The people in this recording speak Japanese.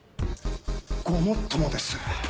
ごもっともです。